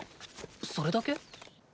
それだけ？